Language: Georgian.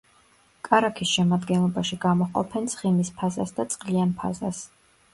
კარაქის შემადგენლობაში გამოჰყოფენ ცხიმის ფაზას და წყლიან ფაზას.